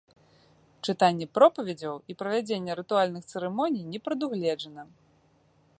Чытанне пропаведзяў і правядзенне рытуальных цырымоній не прадугледжана.